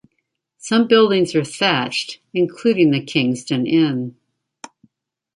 Some buildings are thatched, including the Kingsdon Inn.